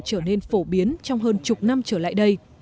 trở nên phổ biến trong hơn chục năm trở lại đây